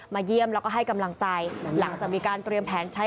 มาเยี่ยมแล้วก็ให้กำลังใจ